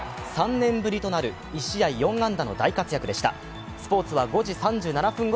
３年ぶりとなる１試合４安打の大活躍でした。